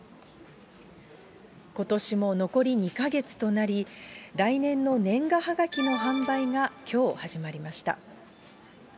ことしも残り２か月となり、来年の年賀はがきの販売がきょう始まりました。